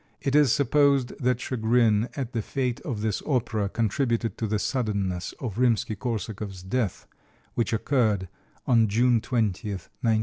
It is supposed that chagrin at the fate of this opera contributed to the suddenness of Rimsky Korsakov's death, which occurred on June 20, 1908.